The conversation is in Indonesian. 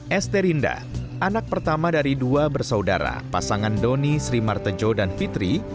esterinda anak pertama dari dua bersaudara pasangan doni sri martejo dan fitri